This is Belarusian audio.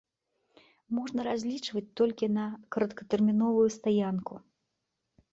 Можна разлічваць толькі на кароткатэрміновую стаянку.